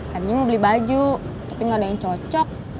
tadinya mau beli baju tapi nggak ada yang cocok